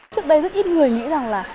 trước đây rất ít người nghĩ rằng là